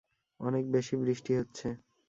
অনেক বেশি বৃষ্টি হচ্ছে।